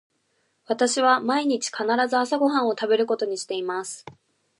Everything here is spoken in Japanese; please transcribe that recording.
私は毎日必ず朝ご飯を食べることにしています。